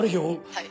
はい。